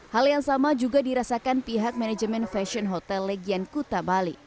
hal yang sama juga dirasakan pihak manajemen fashion hotel legian kuta bali